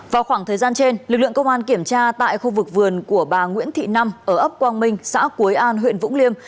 vào khoảng thời gian trên lực lượng công an kiểm tra tại khu vực vườn của bà nguyễn thị năm ở ấp quang minh xã quế an huyện vũng liêm